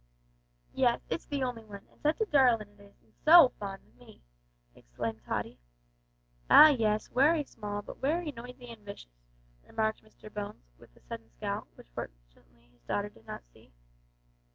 "Yes, it's the only one, and such a darlin' it is, and so fond of me!" exclaimed Tottie. "Ah, yes, wery small, but wery noisy an' vicious," remarked Mr Bones, with a sudden scowl, which fortunately his daughter did not see.